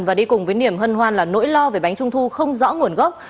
và đi cùng với niềm hân hoan là nỗi lo về bánh trung thu không rõ nguồn gốc